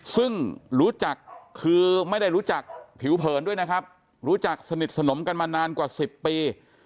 ซึ่งรู้จักคือไม่ได้รู้จักผิวเผินด้วยนะครับรู้จักสนิทสนมกันมานานกว่า๑๐ปี